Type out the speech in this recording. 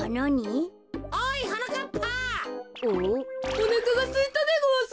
おなかがすいたでごわす。